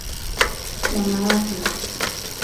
Mama yake